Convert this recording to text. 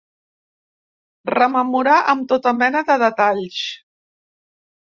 Rememorar amb tota mena de detalls.